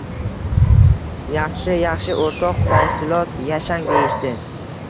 – Yaxshi, yaxshi o‘rtoq hosilot, yashang! – deyishdi.